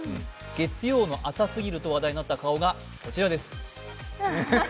月曜日の朝すぎると話題になった顔がこちらです。